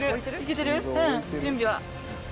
準備は。